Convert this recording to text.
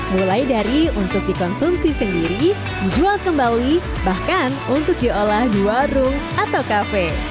mulai dari untuk dikonsumsi sendiri dijual kembali bahkan untuk diolah di warung atau kafe